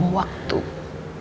yang sewaktu waktu bisa meledak